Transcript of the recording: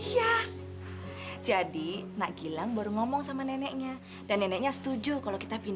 yaelah dia belum tau eh soalnya dia tuh bagus banget